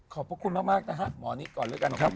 ขอบคุณมากนะฮะหมอนิดก่อนแล้วกันครับ